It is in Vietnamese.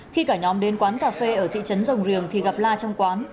khi cả nhóm đến quán cà phê ở thị trấn rồng riềng thì gặp la trong quán